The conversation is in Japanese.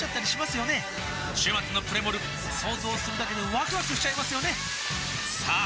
週末のプレモル想像するだけでワクワクしちゃいますよねさあ